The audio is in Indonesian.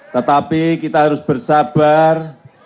tetapi kita harus bersabar